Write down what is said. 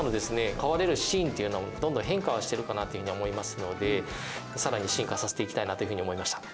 買われるシーンっていうのもどんどん変化はしてるかなっていう風に思いますので更に進化させていきたいなという風に思いました。